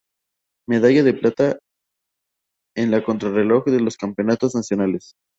Medalla de plata en la contra reloj de los campeonatos nacionales.